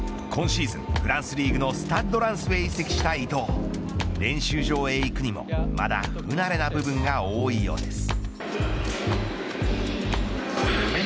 今シーズン、フランスリーグのスタッド・ランスへ移籍した伊東練習場へ行くにもまだ不慣れな部分が多いようです。